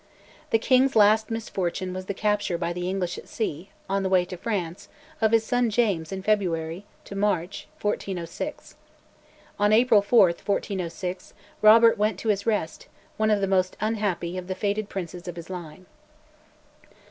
The King's last misfortune was the capture by the English at sea, on the way to France, of his son James in February March 1406. On April 4, 1406, Robert went to his rest, one of the most unhappy of the fated princes of his line.